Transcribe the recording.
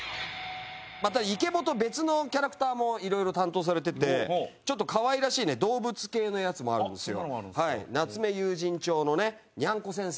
イケボと別のキャラクターも色々担当されててちょっとかわいらしいね動物系のやつもあるんですよ。